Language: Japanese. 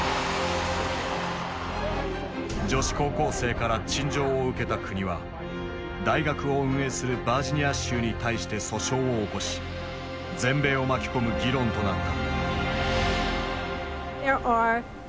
女子高校生から陳情を受けた国は大学を運営するバージニア州に対して訴訟を起こし全米を巻き込む議論となった。